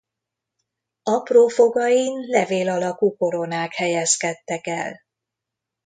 Apró fogain levél alakú koronák helyezkedtek el.